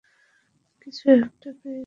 কিছু একটা পেয়েছি বস।